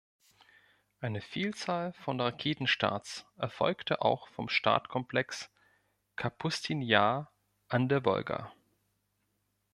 Eine Vielzahl von Raketenstarts erfolgte auch vom Startkomplex Kapustin Jar an der Wolga.